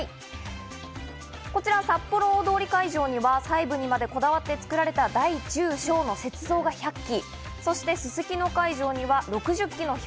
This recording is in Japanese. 札幌大通会場には、細部までこだわって作られた大・中・小の雪像が１００基。